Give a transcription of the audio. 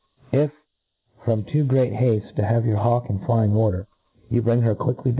If, from too great haftc to have your hawk in flying order, you bring her quickly